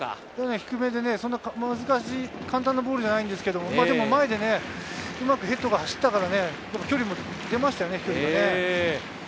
低めで簡単なボールじゃないですけれど、前でうまくヘッドが走ったから距離も出ましたよね。